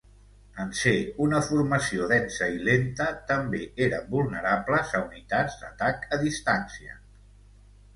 En ser una formació densa i lenta, també eren vulnerables a unitats d'atac a distància.